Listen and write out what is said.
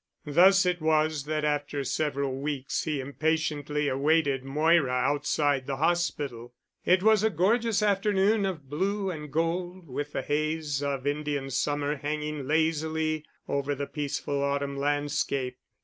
Thus it was that after several weeks he impatiently awaited Moira outside the hospital. It was a gorgeous afternoon of blue and gold with the haze of Indian Summer hanging lazily over the peaceful autumn landscape.